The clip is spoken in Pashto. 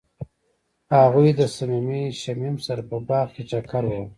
هغوی د صمیمي شمیم سره په باغ کې چکر وواهه.